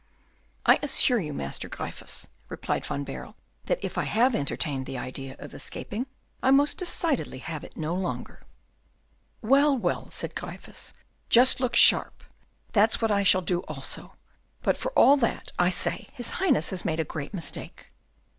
"I assure you, Master Gryphus," replied Van Baerle, "that if I have entertained the idea of escaping, I most decidedly have it no longer." "Well, well," said Gryphus, "just look sharp: that's what I shall do also. But, for all that, I say his Highness has made a great mistake."